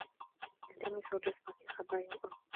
الْتَمِسُوا الرِّزْقَ فِي خَبَايَا الْأَرْضِ